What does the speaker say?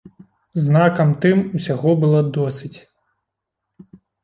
Знакам тым, усяго было досыць.